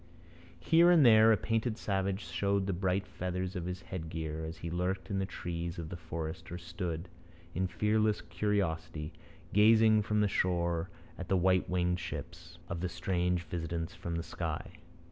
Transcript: Here and there a painted savage showed the bright feathers of his headgear as he lurked in the trees of the forest or stood, in fearless curiosity, gazing from the shore at the white winged ships of the strange visitants from the sky.